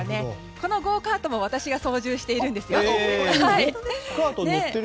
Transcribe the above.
このゴーカートも私が操縦しているんですよ。